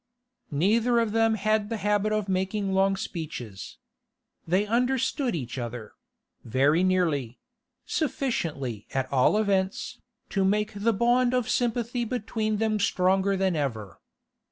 Neither of them had the habit of making long speeches. They understood each other—very nearly; sufficiently, at all events, to make the bond of sympathy between them stronger than ever.